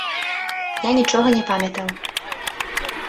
І нічога не памятаў.